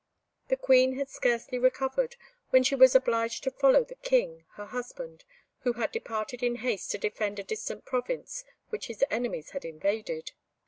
The Queen had scarcely recovered, when she was obliged to follow the King, her husband, who had departed in haste to defend a distant province which his enemies had invaded.